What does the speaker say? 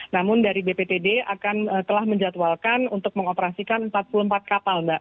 namun dari bptd akan telah menjatuhalkan untuk mengoperasikan empat puluh empat kapal mbak